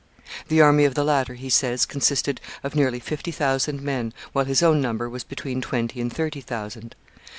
The army of the latter, he says, consisted of nearly fifty thousand men, while his own number was between twenty and thirty thousand.